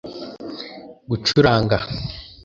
gucuranga